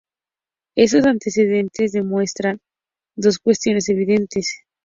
Estos antecedentes demuestran dos cuestiones evidentes.